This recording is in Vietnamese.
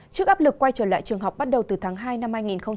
trước áp lực quay trở lại trường học bắt đầu từ tháng hai năm hai nghìn hai mươi